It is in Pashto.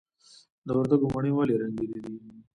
د وردګو مڼې ولې رنګینې دي؟